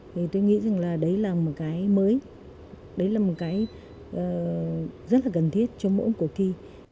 thì tôi nghĩ rằng là đấy là một cái mới đấy là một cái rất là cần thiết cho mỗi một cuộc thi